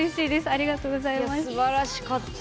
ありがとうございます。